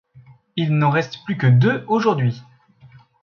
Il n'en reste plus que deux aujourd'hui.